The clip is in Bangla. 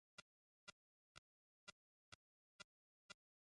টাওয়ার অফ লন্ডনের সুরক্ষায় ঘাটতি আছে বলে জানা গেছে।